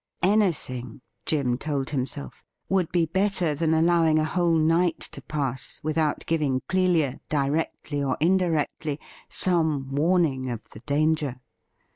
Anything, Jim told himself, would be better than allowing a whole night to pass without giving Clelia, directly or indirectly, some warning of the danger.